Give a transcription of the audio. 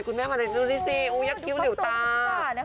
คุณแม่มาดูนี่สิยักษ์กิ้วเหลวตา